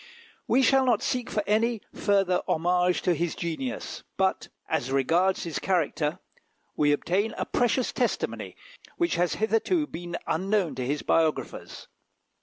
We shall not seek for any further homage to his genius; but, as regards his character, we obtain a precious testimony, which has hitherto been unknown to his biographers.